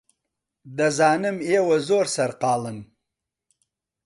دەزانم ئێوە زۆر سەرقاڵن.